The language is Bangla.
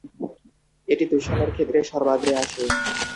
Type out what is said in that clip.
এটি দূষণের ক্ষেত্রে সর্বাগ্রে আসে।